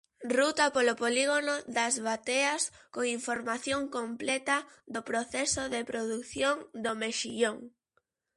Ruta polo polígono das bateas con información completa do proceso de produción do mexillón.